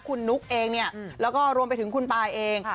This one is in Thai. คุณนุ๊กเองเนี่ยแล้วก็รวมไปถึงคุณปายเอง